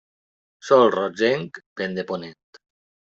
Sol rogenc, vent de ponent.